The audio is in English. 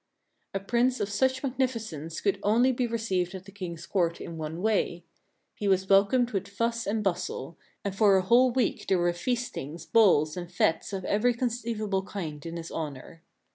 A Prince of such magnificence could only be received at the King's court in one way. He was welcomed with fuss and bustle ; and for a whole week there were feastings, balls, and fetes of every conceivable kind in his honor.